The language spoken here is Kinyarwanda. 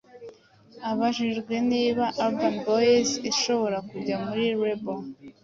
abajijwe niba urban boyz ishobora kujya muri label